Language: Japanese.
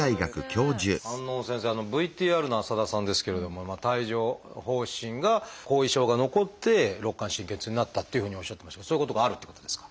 先生ＶＴＲの浅田さんですけれども帯状疱疹が後遺症が残って肋間神経痛になったっていうふうにおっしゃってましたけどそういうことがあるってことですか？